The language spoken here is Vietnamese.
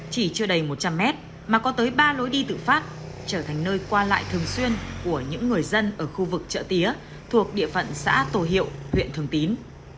chỉ chưa đầy một trăm linh mét mà có tới ba lối đi tự phát trở thành nơi qua lại thường xuyên của những người dân ở khu vực chợ tía thuộc địa phận xã tổ hiệu huyện thường tín